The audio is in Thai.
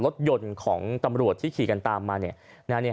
รถยนต์ของตำรวจที่ขี่กันตามมาขี่เข้ามาแบบนี้